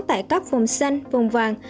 tại các vùng xanh vùng vàng